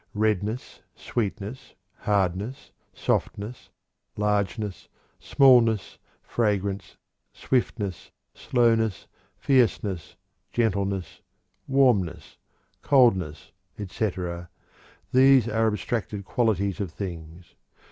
Redness, sweetness, hardness, softness, largeness, smallness, fragrance, swiftness, slowness, fierceness, gentleness, warmness, coldness, etc. these are abstracted qualities of things.